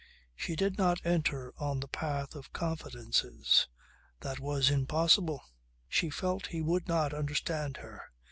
She did not enter on the path of confidences. That was impossible. She felt he would not understand her.